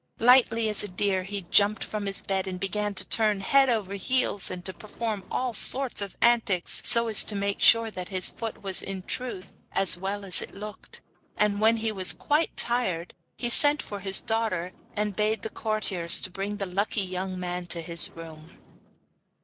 Lightly as a deer he jumped from his bed, and began to turn head over heels and to perform all sorts of antics, so as to make sure that his foot was in truth as well as it looked. And when he was quite tired he sent for his daughter, and bade the courtiers bring the lucky young man to his room.